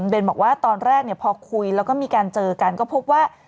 เบนบอกว่าตอนแรกพอคุยแล้วก็มีการเจอกันก็พบว่า